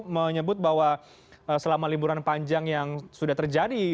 menyebut bahwa selama liburan panjang yang sudah terjadi